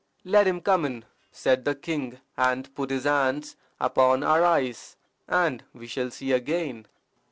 "Let him come in," said the king, "and put his hands upon our eyes, and we shall see again."